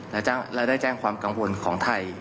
และได้แจ้งความกังวลของไทย